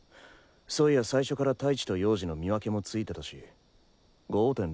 そういや最初から太一と陽次の見分けもついてたし５．０か？